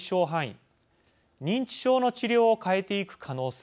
認知症の治療を変えていく可能性。